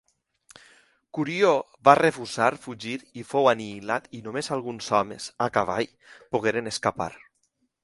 Curió va refusar fugir i fou anihilat i només alguns homes a cavall pogueren escapar.